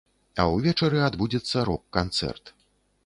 А ўвечары адбудзецца рок-канцэрт.